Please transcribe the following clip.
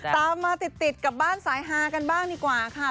ตามมาติดกับบ้านสายฮากันบ้างดีกว่าค่ะ